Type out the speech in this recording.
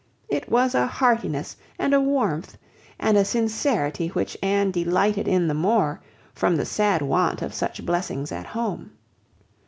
It was a heartiness, and a warmth, and a sincerity which Anne delighted in the more, from the sad want of such blessings at home.